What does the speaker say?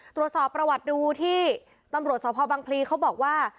ตรวจสอบประวัติดูที่ตำรวจสพบังพลีเขาบอกว่า